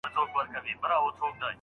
هندو نه يم، خو بيا هم و اوشا ته درېږم